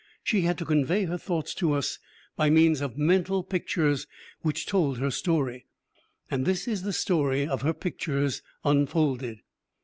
She had to convey her thoughts to us by means of mental pictures which told her story. And this is the story of her pictures unfolded.